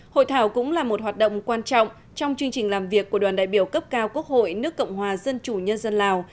hội thảo cũng là một hoạt động quan trọng trong chương trình làm việc của đoàn đại biểu cấp cao quốc hội nước cộng hòa dân chủ nhân dân lào